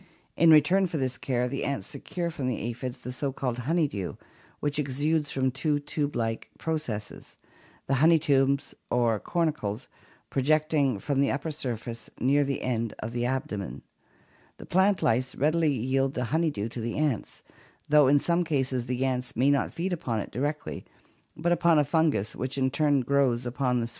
In return for this care the ants secure from the aphids the so called honey dew which exudes from two tube like processes, the honey tubes or cornicles, projecting from the upper surface near the end of the abdomen. The plant lice readily yield the honey dew to the ants, though in *\~/> B some cases the ants may not feed upon it directly but upon a fungus which in turn grows upon the sweet FlG* 4°~ Red ant' Formica rufa A» male; B» worker; r, j A.